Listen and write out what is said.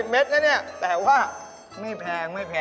๕๐เมตรนะนี่แต่ว่าไม่แพง